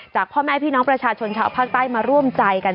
พ่อแม่พี่น้องประชาชนชาวภาคใต้มาร่วมใจกัน